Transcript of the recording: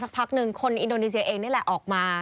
พักหนึ่งคนอินโดนีเซียเองนี่แหละออกมา